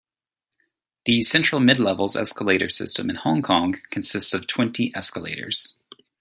The Central-Midlevels escalator system in Hong Kong consists of twenty escalators.